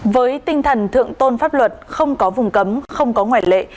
với tinh thần thượng tôn pháp luật không có vùng cấm không có ngoại lệ